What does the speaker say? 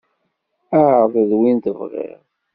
Ɛreḍ-d win tebƔiḍ.